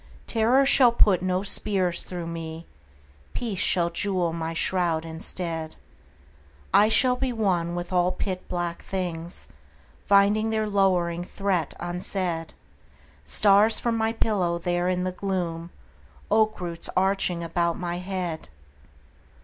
Terror shall put no spears through me. Peace shall jewel my shroud instead. I shall be one with all pit black things Finding their lowering threat unsaid: Stars for my pillow there in the gloom,— Oak roots arching about my head!